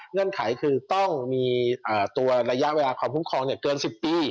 เงื่อนไขคือต้องมีตัวระยะเวลาความคุ้มครองเกิน๑๐ปี